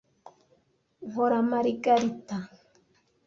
Nkora margarita.